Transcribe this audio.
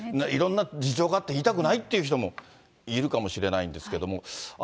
いろんな事情があって、言いたくないっていう人もいるかもしれないんですけれども。